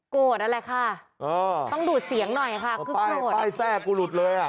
นั่นแหละค่ะต้องดูดเสียงหน่อยค่ะคือโกรธป้ายแทรกกูหลุดเลยอ่ะ